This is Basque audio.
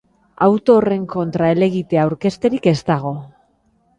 Auto horren kontra helegitea aurkezterik ez dago.